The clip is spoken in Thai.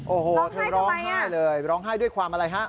โอ้โหเธอร้องไห้เลยร้องไห้ด้วยความอะไรฮะ